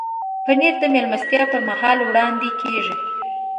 پنېر د میلمستیا پر مهال وړاندې کېږي.